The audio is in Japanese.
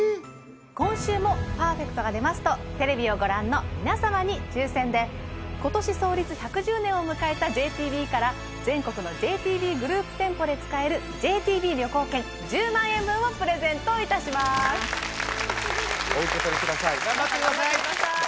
今週もパーフェクトが出ますとテレビをご覧の皆様に抽選で今年創立１１０年を迎えたＪＴＢから全国のＪＴＢグループ店舗で使えるＪＴＢ旅行券１０万円分をプレゼントいたしますお受け取りください頑張ってください！